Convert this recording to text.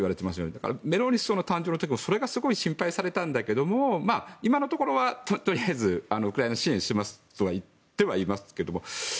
だからメローニ首相の誕生の時もそれがすごく心配されたけども今のところは、とりあえずウクライナ支援しますとは言ってはいますけど。